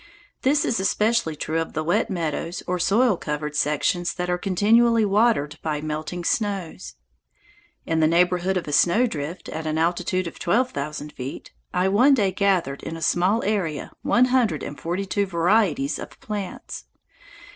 This is especially true of the wet meadows or soil covered sections that are continually watered by melting snows. In the neighborhood of a snowdrift, at an altitude of twelve thousand feet, I one day gathered in a small area one hundred and forty two varieties of plants.